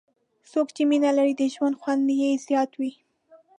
څوک چې مینه لري، د ژوند خوند یې زیات وي.